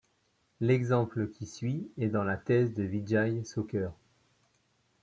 L'exemple qui suit est dans la thèse de Vijay-Shanker.